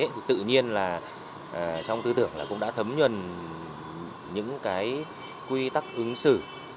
thì tự nhiên là trong tư tưởng là cũng đã thấm nhuần những cái quy tắc ứng xử